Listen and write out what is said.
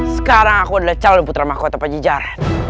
sekarang aku adalah calon putra mahkota pajejar